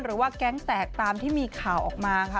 หรือว่าแก๊งแตกตามที่มีข่าวออกมาค่ะ